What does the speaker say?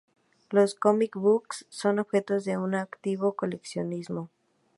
Los "comic books" son objeto de un activo coleccionismo.